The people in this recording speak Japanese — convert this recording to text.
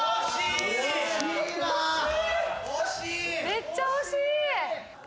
めっちゃ惜しい。